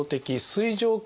水蒸気？